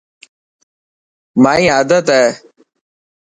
مائي آدت هي.